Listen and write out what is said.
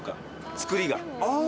作りが。